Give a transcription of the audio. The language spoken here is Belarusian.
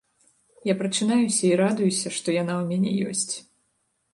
Я прачынаюся і радуюся, што яна ў мяне ёсць.